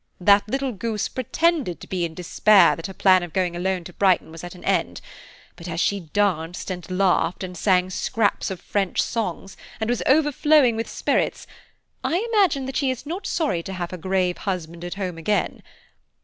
That little goose pretended to be in despair that her plan of going alone to Brighton was at an end; but as she danced, and laughed, and sang scraps of French songs, and was overflowing with spirits, I imagine that she is not sorry to have her grave husband at home again.